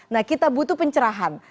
nah kita butuh pencerahan